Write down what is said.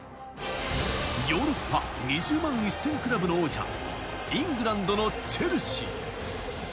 ヨーロッパ２０万２０００クラブの王者イングランドのチェルシー。